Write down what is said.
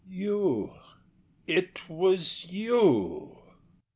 You! it was YOU!